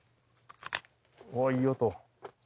おぉいい音。